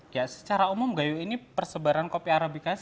ya secara umum gayo ini persebaran kopi arabica sangat luas